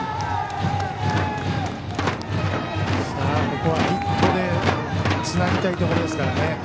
ここはヒットでつなぎたいところですからね。